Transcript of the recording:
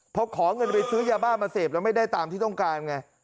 พอขอเงินไปซื้อยาบ้ามาเสพแล้วไม่ได้ตามที่ต้องการไง